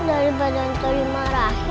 dari badan terima rahim